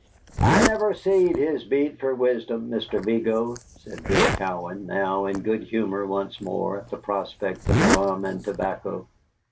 "I never seed his beat fer wisdom, Mister Vigo," said Bill Cowan, now in good humor once more at the prospect of rum and tobacco.